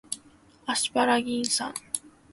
アスパラギン酸